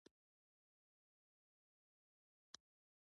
د دوی د غورځنګ درې مهم غړي نیولي دي